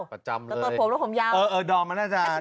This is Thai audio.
ประจำเลยตัวตนผมแล้วผมยาว